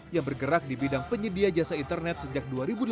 yang bergerak di bidang penyedia jasa internet sejak dua ribu delapan belas